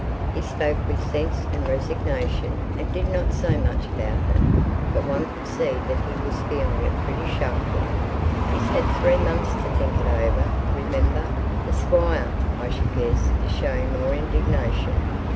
He spoke with sense and resignation, and didn't say much about it; but one could see that he was feeling it pretty sharply. He's had three months to think it over, remember. The Squire, I should guess, is showing more indignation.